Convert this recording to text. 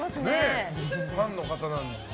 ファンの方なんですね。